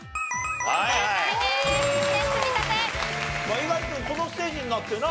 猪狩君このステージになってな。